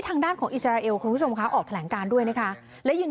ทางด้านของอิสราเอลคุณผู้ชมคะออกแถลงการด้วยนะคะและยัง